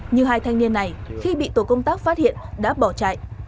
như hai thanh niên này khi bị tổ công tác phát hiện đã bỏ chạy